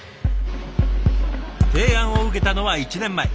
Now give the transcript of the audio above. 提案を受けたのは１年前。